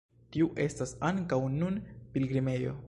Tiu estas ankaŭ nun pilgrimejo.